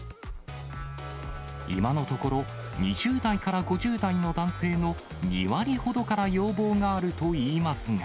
今のところ、２０代から５０代の男性の２割ほどから要望があるといいますが。